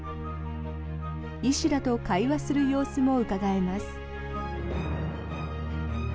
医師らと会話する様子もうかがえます。